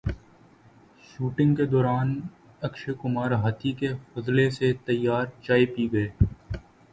shooting کے دوران اکشے کمار ہاتھی کے فضلے سے تیار چائے پی گئے